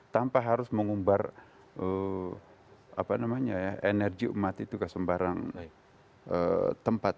tanpa harus mengumbar energi umat itu ke sembarang tempat